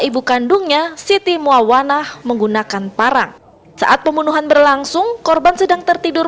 ibu kandungnya siti muawanah menggunakan parang saat pembunuhan berlangsung korban sedang tertidur